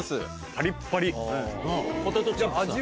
パリッパリ。